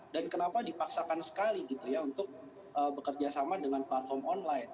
dan kenapa dipaksakan sekali untuk bekerja sama dengan platform online